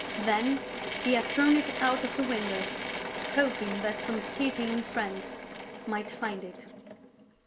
Then he had thrown it out of the window, hoping that some pitying friend might find it.